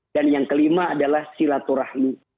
dan yang kelima adalah silaturahmi